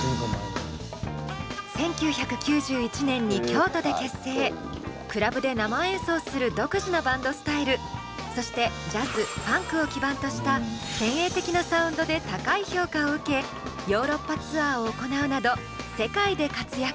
今改めて脚光を浴びるクラブで生演奏する独自のバンドスタイルそしてジャズファンクを基盤とした先鋭的なサウンドで高い評価を受けヨーロッパツアーを行うなど世界で活躍。